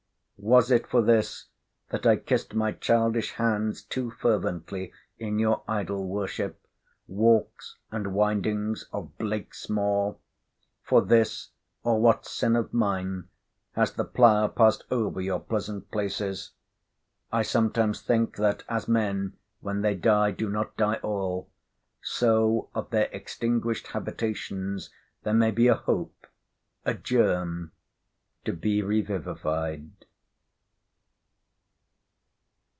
Was it for this, that I kissed my childish hands too fervently in your idol worship, walks and windings of BLAKESMOOR! for this, or what sin of mine, has the plough passed over your pleasant places? I sometimes think that as men, when they die, do not die all, so of their extinguished habitations there may be a hope—a germ to be revivified.